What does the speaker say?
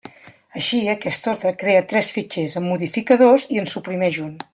Així, aquesta Ordre crea tres fitxers, en modifica dos i en suprimeix un.